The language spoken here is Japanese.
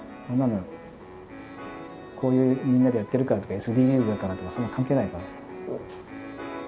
そんなのこういうみんなでやっているからとかＳＤＧｓだからとかそんなの関係ないから。